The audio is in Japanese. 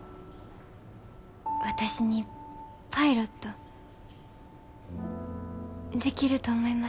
私にパイロットできると思いますか？